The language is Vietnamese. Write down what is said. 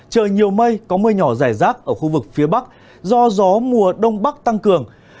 trời nhiều mây có mưa nhỏ rải rác ở khu vực phía bắc do gió mùa đông bắc tăng cường